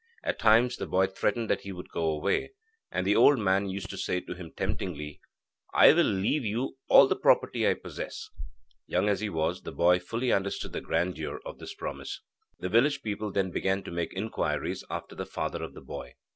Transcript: At times, the boy threatened that he would go away, and the old man used to say to him temptingly: 'I will leave you all the property I possess.' Young as he was, the boy fully understood the grandeur of this promise. The village people then began to make inquiries after the father of the boy.